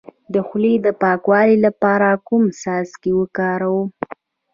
د خولې د پاکوالي لپاره کوم څاڅکي وکاروم؟